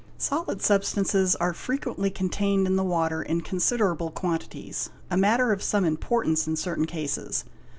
Solid substances are frequently contained in the water in considerable quantities, a matter of some importance in certain cases.